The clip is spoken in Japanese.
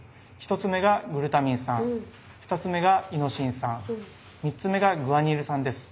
１つ目がグルタミン酸２つ目がイノシン酸３つ目がグアニル酸です。